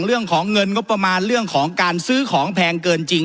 เรื่องของเงินงบประมาณเรื่องของการซื้อของแพงเกินจริง